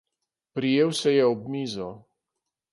Prijel se je ob mizo.